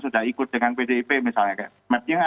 sudah ikut dengan pdip misalnya